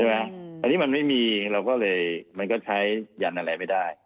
ใช่ไหมครับอันนี้มันไม่มีเราก็เลยใช้ยันอะไรไม่ได้